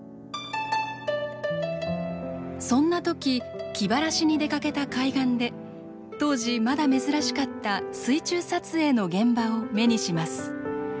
そんな時気晴らしに出かけた海岸で当時まだ珍しかった水中撮影の現場を目にします。